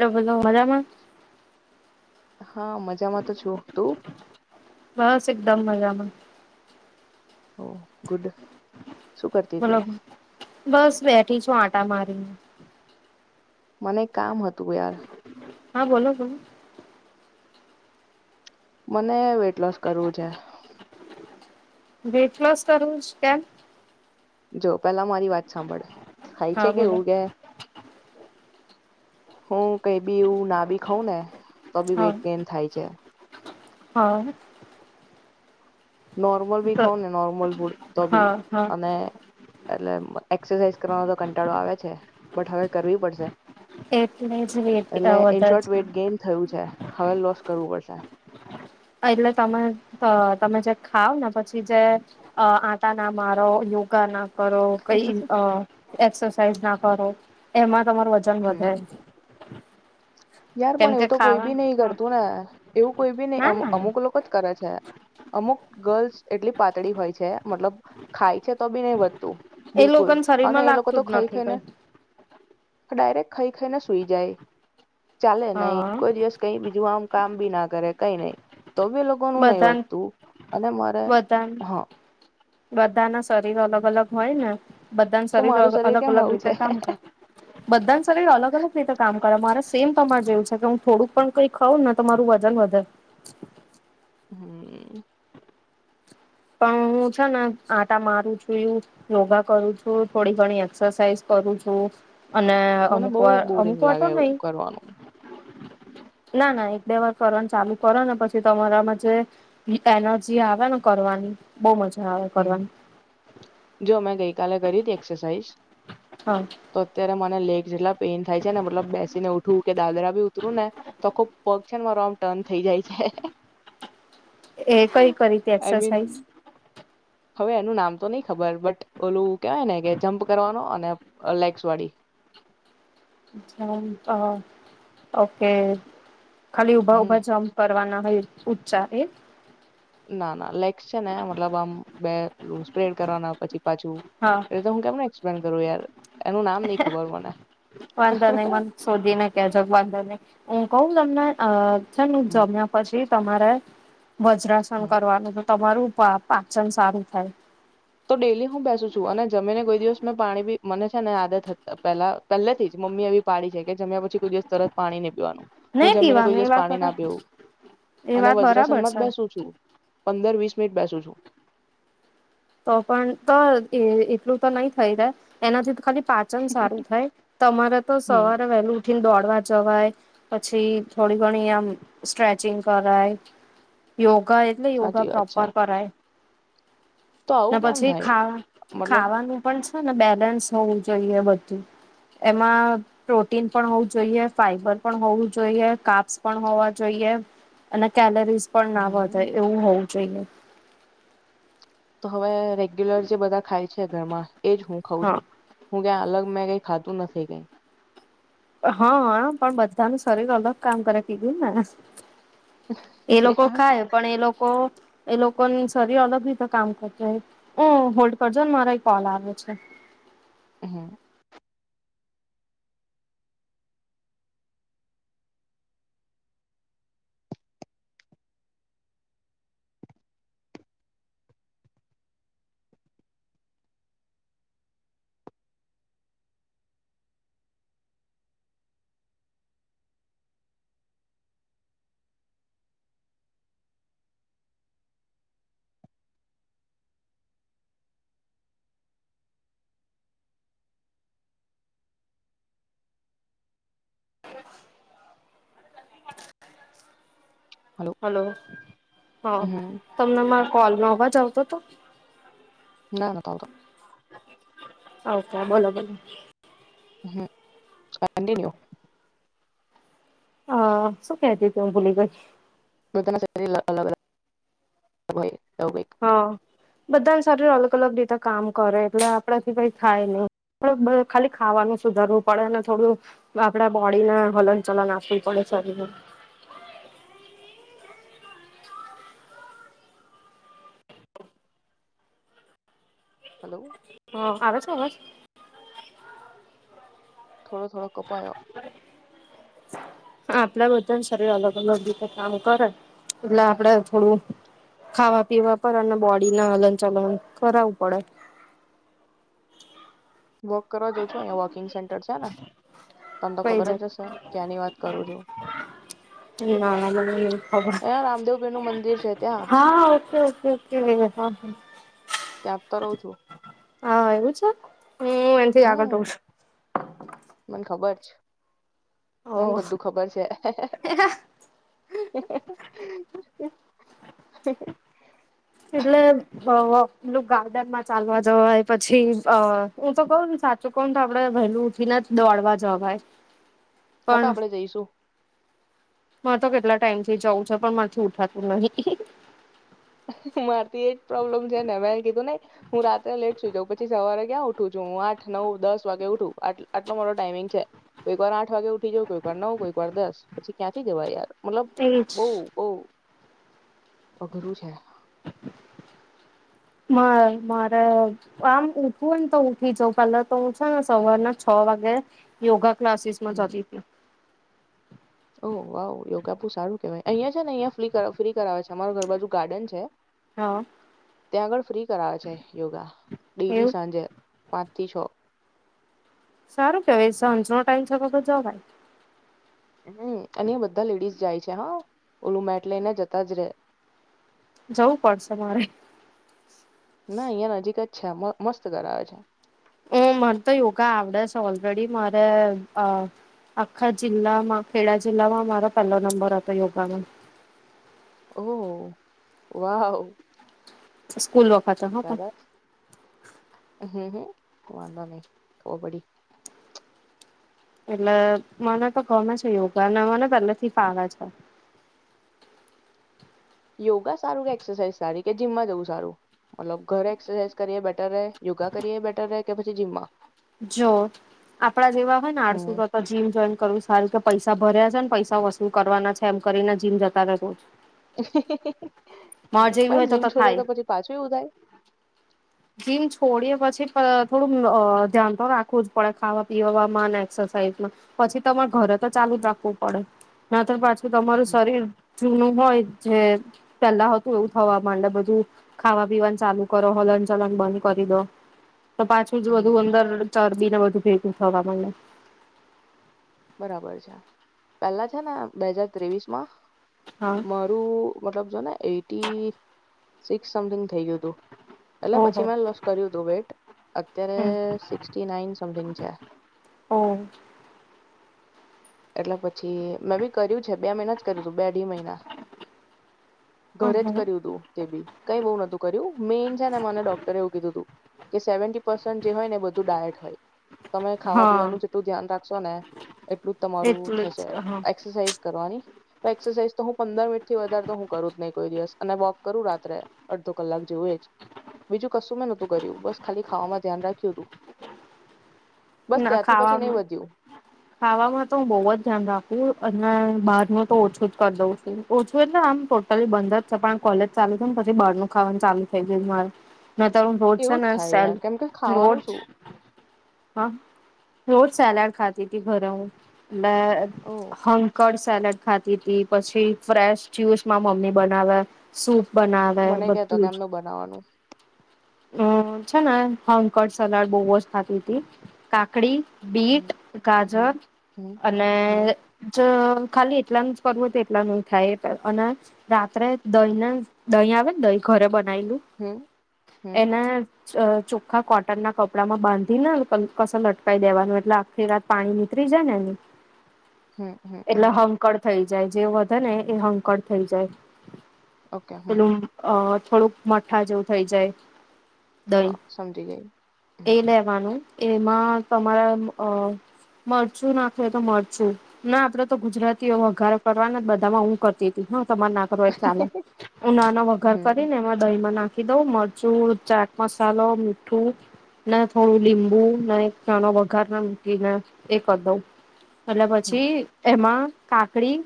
લગન હા મજામાં તો છું. તું? બસ એકદમ મજામાં. ઓહ! ગુડ. શું કરતી હતી મતલબ બસ બેઠી છું. આટ ટા મારું. મને એક કામ હતું યાર. હા બોલો-બોલો. મને વેઇટલોસ કરવું છે. વેટલોસ કરવું છ કેમ? જો પેલા મારી વાત સાંભળ, ખાય હા છે કે બોલો હુગે હું કઈ બી એવું ના બી ખઉં ને તો બી હા વેઇટ ગેન થાય છે. હા. નોર્મલ બી તો ખાઉ ને નોર્મલ ફૂડ તો હા બી હા અને એટલે અમ્મ એક્સરસાઇઝ કરવાનો તો કંટાળો આવે છે, બટ હવે કરવી પડશે. એટલે જ વેટ એટલે અહ ઇન વધાર શોર્ટ છે. વેઇટ ગેઇન થયું છે હવે લોસ કરવું પડશે. એટલે તમે તો તમે જે ખાવ ને પછી જે અહ આ આના મારો યોગા ના કરો કઈ અહ એક્સરસાઇઝ ના કરો એમાં તમારું વજન હમ વધે. યાર પણ કેમકે એવું તો કોઈ બી નઈ ખાવા કરતું ને. એવું કોઈ બી ના અમુક ના અમુક લોકો જ કરે છે અમુક ગર્લ્સ એટલી પાતળી હોય છે મતલબ ખાય છે તો બી નહી વધતું. એ બિલકુલ લોકોને શરીર અને માં એ લોકો તો લાગતું જ ખાઈ નથી ખાઈને કઈ. ડાયરેક્ટ ખઈ ખઈને સૂઈ જાય એ. ચાલે નઈ હા કોઈ દિવસ કઈ બીજું આમ કામ બી ના કરે. કઈ નહી. તો ભી એ લોકો નું નહીં બધા વધતું અને મારે હા બધા ના શરીર અલગ-અલગ હોય ને? બધા તો શરીર મારું અગ કેમ અલગ-અલગ આવું રીતે છે કામ કરે બધા શરીર અલગ-અલગ રીતે કામ કઅ મારે એમ તમારે જેવું છે કે હું થોડુંક પણ કઈ ખાઉં ને તો મારું વજન વધે. હમ્મ. પણ હું છે ને આટા મારું છું, યોગા કરું છું, થોડી ઘણી એક્સરસાઇઝ કરું છું અને મને અમુક બહુ વાર અમુક બોરિંગ વાર તો લાગે એવું નહી કરવાનું ના ના એક બે વાર કરવાનું ચાલુ કરો ને પછી તમારામાં જે ની એનર્જી આવે ને કરવાની બહુ મજા આવે હમ્મ, કરવાની જો મેં ગઈ કાલે કરી તી એક્સરસાઇઝ હા તો અત્યારે મેં ના લેગજ જેટલા પેઇન થાય છે ને મતલબ બેસીને ઉઠવું કે દાદરા ભી ઉતરું ને તો ખુબ પગ છે ને મારો આમ ટર્ન થઈ જાય છે. એ કઈ કરીઈ તે આઈ મીન એક્સરસાઇઝ. હવે એનું નામ તો નહી ખબર બટ ઓલું કેહેવાય ને કે જમ્પ કરવાનો અને લેગ્સ વાળી. અ ઓકે. ખાલી ઊભા હમ ઊભા જમ્પ કરવાના હોય. ઉંચા એ ના ના લાઇકસ છે ને મતલબ આમ બે એ સ્પ્રેડ કરવાના પછી. [unintelligible] બંધ કરો યાર. એનું નામ નહી ખબર મને વંદો નહી મને શોધીને કે જો વંદો નહી હું. કઉ તમને અ છે ને હમ જમ્યા પછી તમારે. વજ્રાસન હમ કરવાનું. તમારું પા પાચન સારું થાય. તો ડેલી હું બેસું છું અને જમીને કોઈ દિવસ મેં પાણી મને છે ને આદત હતા પેલા પહેલેથી જ મમ્મી એવી પાડી છે કે જમ્યા પછી કોઈ દિવસ તરત પાણી નહી પીવાનું. હું નહી જમીને કોઈ પીવાનું એ દિવસ વાત પાણી બરાબર ના પીઉ એ અને વાત બરાબર વજ્રાસનમાં જ છે બેસું છું પંદર વીસ મિટ બેસું છું. તો પણ તો એ એટલું તો નહી થઈ રે એનાથી તો ખાલી પાચન સારું થાય તમારે તો હમ સવારે વહેલું ઉઠીને દોડ દોડવા જવાય પછી થોડી ઘણી આમ સ્ટ્રેચિંગ કરાય યોગ યોગા એટલે યોગા સાચી વાત છે પ્રોપર કરાય. તો ને આવું કેમ પછી થાય ખા મતલબ ખાવાનું પણ હન બેલેન્સ હોવું જોઈએ બધું એમાં પ્રોટીન પણ હોવું જોઈએ ફાઈબર પણ હોવું જોઈએ કાપ્સ પણ હોવા જોઈએ અને કેલરીઝ પણ ના વધાય હમ એવું હોવુ જઈને તો હવે રેગ્યુલર જે બધા ખાય છે ઘરમાં એજ હું ખઉં હા છું. હું ક્યાં અલગ મેં ખાધુ નથી કઈ. હા આમ પણ બધ તાનું શરીર અલગ કામ કરે કીધું ને મે એ લોકો ખાય પણ એ લોકો એ લોકોની શરીર અલગ રીતે કામ કરતી હો હ હોલ્ડ કરજો ને મારા એક કોલ આવે છે. હમ્મ. હલો હા હમ તમને મા કોલ નો અવાજ આવતો તો. ના નતો આવતો. આવતો બોલો બેન. હમ્મ કંટીન્યુ. હા શું કેતી ત હું ભૂલી ગઈ. બધા ના શરીર અલગ અલગ હોય. એવું કઈક હ. બધાને શરીર અલગ અલગ રીતે કામ કરે એટલે આપણેથી કઈ થાય નહી ખાલી ખાવાનું સુધારવું પડે અને થોડું આપડા બોડીને હલન ચલન આપવું પડે શરીર હલો. હ આવે છે અવાજ. થોડા થોડો કપાયો. આપડ બધાને શરીર અલગ અલગ રીતે કામ કરે એટલે આપડે થોડું ખાવા પીવા પર અને બોડી ના હલન ચલન કરાવું પડે. વોક કરવા જો છો અહિયા વોકિંગ સેન્ટર છે ને. તમ તો કઈ ખબર જાય જ હશે ક્યાંની વાત કરું છું. ના ખબર અહીંયા રામદેવપીર નું મંદિર છે ત્યાં હા ઓછ ઓછ ઓછ ત્યાં તો રહું છું હા એવું છે હમ એથી આગળો હમ છ મને ખબર છે મને બધું ખબર છે એટલે પેલું ગાર્ડનમાં ચાલવા જવાય પછી હું તો કઉ ને સાચું કોણ તો આપડે વહેલું ઉઠીને દોડવા જવાય હા તો આપણેે જઈશું મા તો કેટલા ટાઈમથી જઉં છે પણ મામાંથી ઉઠાતું નહીિ મારે એ પ્રોબ્લેમ છે ને મેં કીધું ન હું રાત્રે લેટ સુઈ જાઉં પછી સવારે ક્યાં ઉઠું છું હું આઠ નવ દસ વાગે ઉઠું આટલો મારો ટાઈમિંગ છે કોઈક વાર આઠ વાગે ઉઠી જાઉં કોઈક વાર નવ કોઈક વાર દસ પછી ક્યાંથી [unintelligible] જવા યાર મતલબ એજ બહુ બહ અઘરું છે હ મારે આમ ઉઠવું ને તો ઉઠી જવ પેલા તો છેો ને સવારના છ વાગે યોગા ક્લાસીસ માં હમ જતી હતી ઓ વાવ યોગા બહુ સારું કેવાય અહિયાં છે ને અહિયાં ફ્રી કરાવે છે અમા ઘર બાજુ ગાર્ડન છે હા ત્યા આગળ ફ્રી કરાવે છે યોગા ડેલી એવું સાંજે પાચસો સારું કેવાય સાંજ નો ટાઈમ છે બ જ ભાઈ હમ અને એ બધા લેડીઝ જાય છે હા ઓલું મેટ લઈને જતા જ રહે જવું પડશે મારે ના અહિયાયા નજીક જ છે મસ્ત કર આવે છે હમ મને તો યોગા આવડે છે ઓલરેડી મારે આખા જિલ્લામાં ખેડા જિલ્લામાં મારો પહેલો નંબર હતો યોગામાં ઓહ વાહ સ્કૂલ વ પાાચા પણ હ હ વાા નહી ઓ બડી એટલે મને તો ગમે છે યોગાને મને પેલા થી ફાવે છે યોગા સારું કે એક્સરસા સારી કે જીમમાં જવું સારું મતલબ ઘરે એક્સરસાઝ કરીએ બેટર રહે યોગા કરીએ બ બેટર રહે કે પછી જીમ્મા જો આપડા જેવા હોય ને આડસુ હમ તો જીમ જોઈન કરવું સારું કે પૈસા ભર્યા છે ને પૈસા વસુલ કરવાના છે એમ કરીને જીમ જતા રહેજો [inaudible] પણ જીમ છોડ્યા તો પછી પાછું એવું થાય જીમ છોડીએે પછી થોડું ધ્યાન તો રાખવું જ પડે ખાવા પીવામાં એક્સરસાઇઝમાં પછી તમારે ઘરે તો ચાલુ જ રાખવું પડે ના તો. [unintelligible] તો તમારું હમ શરીર જૂનું... હોય જે પેલા હતું એવું થવા માંડે, બધું ખાવા પીવાનું ચાલુ કરો હલન... ચલન બંધ કરી દો. તો પાછું જ બધું હમ અંદર ચરબી ને બધું... ભેગું થવાનુંને. બરાબર છે પેલા છે ને બે હાજર ત્રેવીસ માં... હા મારું મતલબ જો ને એટી... સિક્સ... [unintelligible] થઈ ગ્યુ તુ, એટલે પછી ઓહો મેં લોસ કર્યુ તો વેઈટ અત્યારે હમ સીક્સ્ટી નાઈન સમથીંગ છે. ઓહ એટલે પછી મેં બી કર્યું છે બે મહિના જ કર્યું છે. બે અઢી મહિના ઘરે જ કર્યું તું તે બી કઈ બહુ નતું કર્યું મેન છે ને મને ડોક્ટરે એવું કીધું તું... કે સેવન્ટી પર્સન્ટ જે હોય ને બધું ડાયટ હોય. તમે ખાવા હા પીવાનું જેટલું ધ્યાન રાખશો ને એટ એટલું તમારું એટલું થશે જ હા એક્સરસાઇઝ કરવાની... એક્સરસાઇઝ તો હું પંદર મિનિટ થી વધારે તો હું કરું જ નહી, કોઈ દિવસ અને વોક કરું રાત્રે અડધો કલાક જેવું એ જ બીજું કશું મેં નોતું કર્યું બસ ખાલી ખાવામાં ધ્યાન રાખ્યુંતું. ના ખાવામાં ખાવામાં... તો હું બહુ જ ધ્યાન રાખું અને બહાર નું તો ઓછું જ કરી દઉં છું ઓછું એટલે આમ ટોટલી બંધ જ છે પણ કોલેજ ચાલુ છે ને પછી બહાર ન ખાવાનું ચાલુ થઈ જાય છે મારે. એવું જ થાય યાર કેમ કે ખાવાનું શું [unintelligible] રોજ સેલાડ ખાતી તી ઘરે હું. લે ઓ હેકર્સ... સેલેડ ખાતીતી પછી ફ્રેશ જ્યુસ મારી મમ્મી બનાવે, સૂપ. બનાવે મને કેતો કેમનું બનાવાનું. હમ છે ને હંકટ સલાડ બહુ જ ખાતીતી. કાકડી... હમ બીટ હમ ગાજર હમ અને હમ જ... ખાલી એટલા નું જ કરવું હોય તો એટલા નું ય થાય અને રાત્રે દહીને દહી આવે ને દહી ઘરે બ હમ હમ [unintelligible] એના. ચ ચોખ્ખા કોટનના કપડામાં બાંધીને. [unintelligible] કસે લટકાઈ દેવાનું એટલે આખી રાત પાણી નીતરી જાય ને એનું. હમ હમ એટલે હમ. હંકળ થઈ જાય જે વધે ને એ હંકડ થઈ જાય. ઓકે હમ ચલું અ. [unintelligible] થોડુંક મઠા જેવું થઈ જાય. દ હા સમજી ગઈ હમ એ લેવાનું. એમાં તમારા મરચું નાખે તો મરચું ના, આપડે તો ગુજરાતીઓ વઘારે કરવાના બધામાં. હું કરતી હતી હ. તમાર નાકો એ ચાલે, ઉના નો વઘાર હમ કરીને એમાં દહીમાં નાખ. એ તો મરચું, ચાટ મસાલો, મીઠું ને થોડું લીંબુ. બું, એક ચણો વઘાર ના મૂકીને, એક હતો. એટલે હમ પછી એમાં. કાકડી.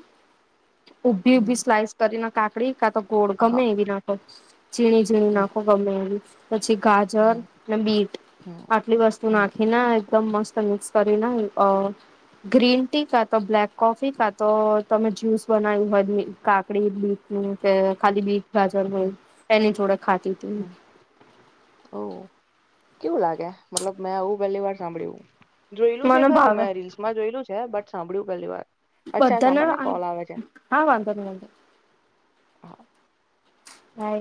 ઉભી ઉભી હમ સ્લાઇસ કરી નાખ. કાકડી કા તો. ગોળ હા ગમે બના તો ઝીણી ઝીણી હમ નાખો ગમે એવી. પછી ગાજર હમ અને બીટ હમ આટલી વસ્તુ. શું હમ નાખી ના. એકદમ મસ્ત મિક્સ કરીને ગ્રીન ટી કા તો બ્લેક કોફી કા તો તમે જ્યુસ બનાવ્યું હોય, કાકડી બીટની. કે ખાલી બીટ ગાજર હોય હમ એની જોડે ખાતી. હતી હમ, ઓ. કેવું લાગે! મતલબ મેં આવું પહેલી વાર સાંભળ્યું. જોયલું છે મને ખરું ભાવે મેં રીલ્સમાં જોયલું છે બટ. સાંભળ્યું પહેલી વાર. અચ્છા બધાને સાંભળ હા, ને વાંધો કોલ આવે છે નહી. વાંધો નહીં. હા. હ.